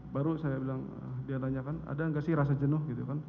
baru saya bilang dia tanyakan ada enggak sih rasa jenuh